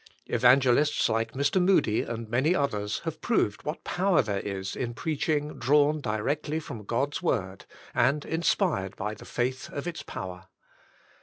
Evangelists like Mr. Moody and many others, have proved what power there is in preaching drawn directly from God's word, and inspired by the faith of its power.